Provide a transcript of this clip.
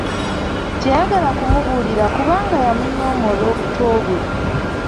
Teyayagala kumubuulira kubanga yamunyooma olw’obuto bwe.